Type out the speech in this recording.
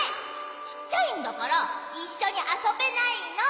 ちっちゃいんだからいっしょにあそべないの！